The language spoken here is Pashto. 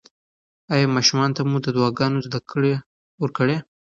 ایا ماشومانو ته مو د دعاګانو زده کړه ورکړې؟